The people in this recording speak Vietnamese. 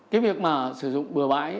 cái việc mà sử dụng bừa bãi